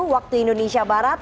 waktu indonesia barat